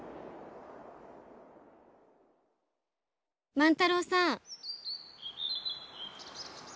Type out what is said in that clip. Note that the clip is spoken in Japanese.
万太郎さん。